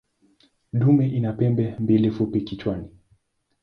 Dume ina pembe mbili fupi kichwani.